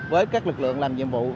với các lực lượng làm nhiệm vụ